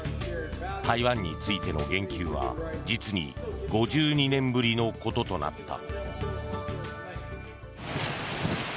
台湾についての言及は実に５２年ぶりのこととなった。